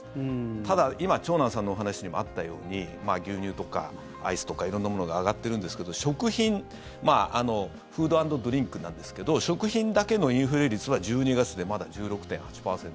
ただ、今長南さんのお話にもあったように牛乳とかアイスとか色んなものが上がってるんですけど食品、フード・アンド・ドリンクなんですけど食品だけのインフレ率は１２月でまだ１６．８％。